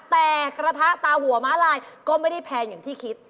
แต่กระทะตาหัวม้าลายก็ไม่ได้แพงอย่างที่คิด